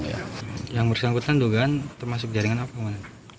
yang bersangkutan dugaan termasuk jaringan apa